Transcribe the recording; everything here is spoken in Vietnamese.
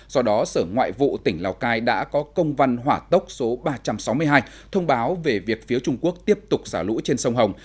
do đó sở ngoại vụ tỉnh lào cai đã có công văn hỏa tốc số ba trăm sáu mươi hai thông báo về việc phía trung quốc tiếp tục xả lũ trên sông hồng